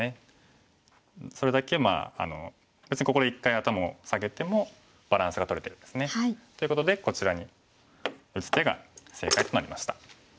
それだけ別にここで一回頭を下げてもバランスがとれてるんですね。ということでこちらに打つ手が正解となりました。